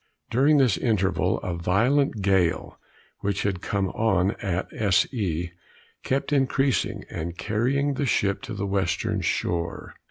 During this interval a violent gale, which had come on at S. E. kept increasing, and carrying the ship to the western shore.